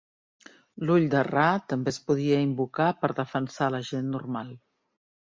L'Ull de Ra també es podia invocar per defensar la gent normal.